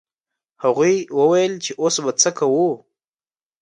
هغوی وویل چې اوس به څه کوو.